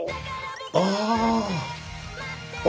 ああ！